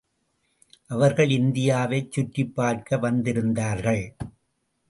அவர்கள் இந்தியாவைச் சுற்றிப் பார்க்க வந்திருந்தார்கள்.